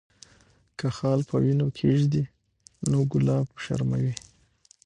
که خال پر وینو کښېږدي، نو ګلاب وشرموي.